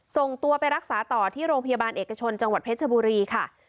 ส่งตัวไปรักษาต่อที่โรงพยาบาลเอกชนจังหวัดเพชรบุรีค่ะ